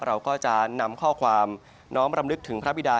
เราก็จะนำข้อความน้อมรำลึกถึงพระบิดา